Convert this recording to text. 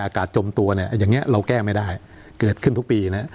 จมตัวเนี่ยอย่างนี้เราแก้ไม่ได้เกิดขึ้นทุกปีนะ